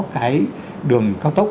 cái đường cao tốc